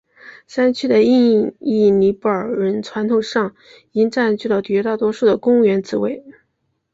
山区的印裔尼泊尔人传统上已经占据了绝大多数的公务员职位。